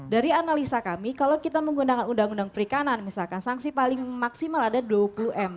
dari analisa kami kalau kita menggunakan undang undang perikanan misalkan sanksi paling maksimal ada dua puluh m